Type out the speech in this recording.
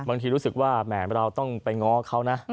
รู้สึกว่าแหมเราต้องไปง้อเขานะ